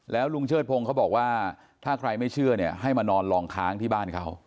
แล้วลุงเชิดพงศ์เขาบอกว่าถ้าใครไม่เชื่อเนี่ยให้มานอนลองค้างที่บ้านเขา